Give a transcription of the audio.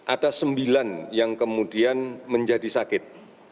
ada sembilan yang kemudian menjadi sakit